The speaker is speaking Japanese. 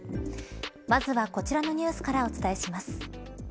まずは、こちらのニュースからお伝えします。